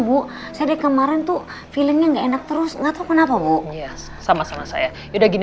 bu saya dari kemarin tuh filmnya nggak enak terus enggak tahu kenapa bu sama sama saya udah gini